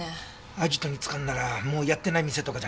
アジトに使うんならもうやってない店とかじゃないかな。